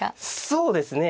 そうですね